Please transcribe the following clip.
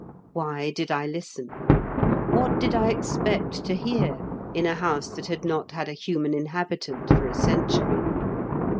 Why did I listen? What did I expect to hear in a house that had not had a human inhabitant for a century